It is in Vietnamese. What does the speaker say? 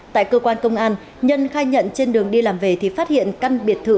tại cơ quan công an nhân khai nhận trên đường đi làm về thì phát hiện căn biệt thự